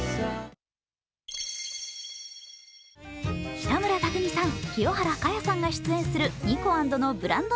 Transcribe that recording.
北村匠海さん、清原果耶さんが出演するｎｉｋｏａｎｄ．．．のブランド